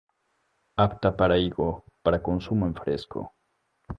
Apta para higo para consumo en fresco.